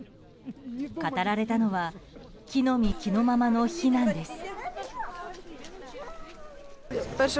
語られたのは着の身着のままの避難です。